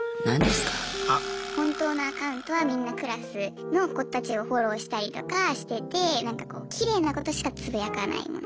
本当のアカウントはみんなクラスの子たちをフォローしたりとかしててなんかこうきれいなことしかつぶやかないもの。